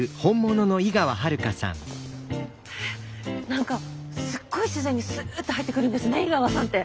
何かすっごい自然にすっと入ってくるんですね井川さんって。